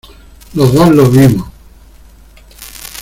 los dos lo vimos.